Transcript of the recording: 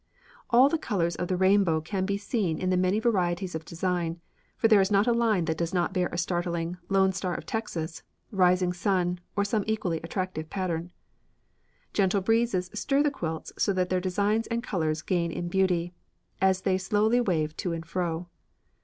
All the colours of the rainbow can be seen in the many varieties of design, for there is not a line that does not bear a startling "Lone Star of Texas," "Rising Sun," or some equally attractive pattern. Gentle breezes stir the quilts so that their designs and colours gain in beauty as they slowly wave to and fro.